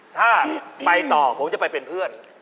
ถ้าไปต่อผมจะไปเป็นเพื่อน